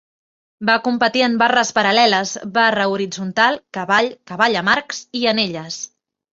Va competir en barres paral·leles, barra horitzontal, cavall, cavall amb arcs i anelles.